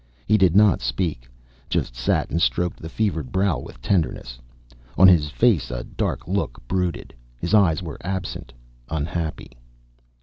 He did not speak, just sat and stroked the fevered brow with tenderness. On his face a dark look brooded. His eyes were absent, unhappy.